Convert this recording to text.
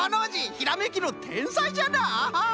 ひらめきのてんさいじゃなアハッ！